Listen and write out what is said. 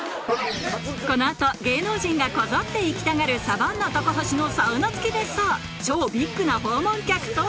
この後芸能人がこぞって行きたがるサバンナ・高橋のサウナ付き別荘超ビッグな訪問客とは？